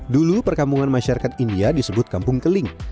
dulu perkampungan masyarakat india disebut kampung keling